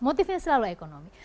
motifnya selalu ekonomi